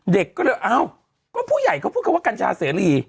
เด็กก็เลยอ้าวก็ผู้ใหญ่เขาพูดคำว่ากัญชาเสรี